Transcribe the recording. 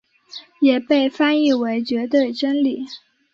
也被翻译为绝对真理。